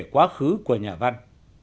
quá khứ của nhà văn